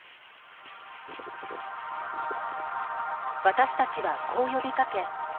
私たちはこう呼びかけ